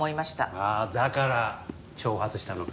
ああだから挑発したのか？